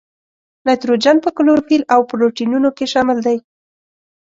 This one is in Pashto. نایتروجن په کلوروفیل او پروټینونو کې شامل دی.